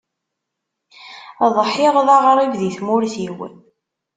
Ḍḥiɣ d aɣrib di tmurt-iw.